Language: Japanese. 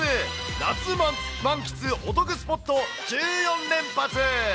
夏満喫お得スポット１４連発。